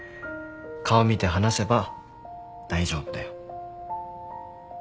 顔見て話せば大丈夫だよ。